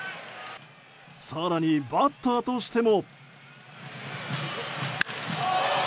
更に、バッターとしても。